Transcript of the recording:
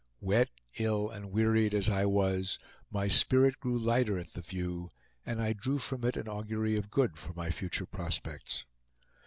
Wet, ill, and wearied as I was, my spirit grew lighter at the view, and I drew from it an augury of good for my future prospects.